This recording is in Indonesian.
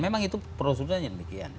memang itu prosedurnya demikian